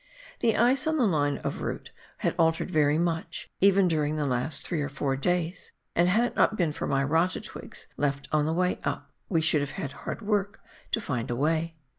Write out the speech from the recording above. The ice on the line of route had altered very much, even during the last three or four days, and had it not been for my rata twigs left on the way up, we should have had hard work to find a way.